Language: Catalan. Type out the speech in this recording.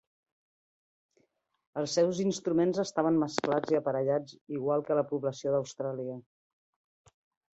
Els seus instruments estaven mesclats i aparellats igual que la població d'Austràlia.